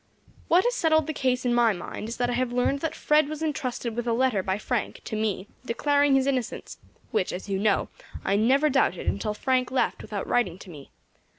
"What has settled the case in my mind is that I have learned that Fred was intrusted with a letter by Frank to me, declaring his innocence, which, as you know, I never doubted until Frank left without writing to me.